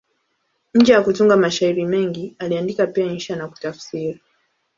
Nje ya kutunga mashairi mengi, aliandika pia insha na kutafsiri.